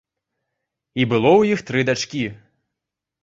І было ў іх тры дачкі.